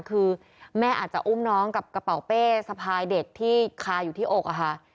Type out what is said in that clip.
คือแม่อาจจะอุ้มน้องกับกระเป๋าเป้สะพายเด็กที่คาอยู่ที่อกอะค่ะ